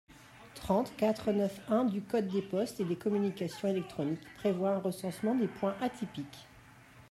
trente-quatre-neuf-un du code des postes et des communications électroniques prévoit un recensement des points atypiques.